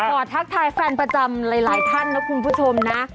ทักทายแฟนประจำหลายท่านนะคุณผู้ชมนะ